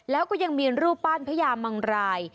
แล้วก็ยังมีรูปปั้นพญามังราย